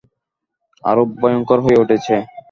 আরো ভয়ংকর হয়ে উঠেছে!